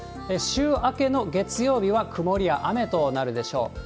週明けの月曜日は曇りや雨となるでしょう。